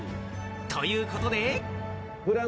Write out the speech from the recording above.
ということで。